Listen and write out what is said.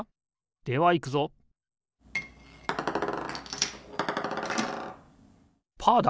ではいくぞパーだ！